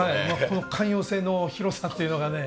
この「寛容」性の広さというのがね。